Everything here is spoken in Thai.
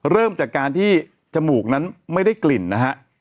เริ่มจากการที่จมูกนั้นไม่ได้กลิ่นนะฮะ